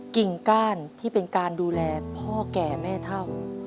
กิ่งก้านที่เป็นการดูแลพ่อแก่แม่เท่า